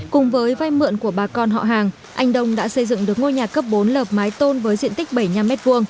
cùng với vai mượn của bà con họ hàng anh đông đã xây dựng được ngôi nhà cấp bốn lợp mái tôn với diện tích bảy mươi năm m hai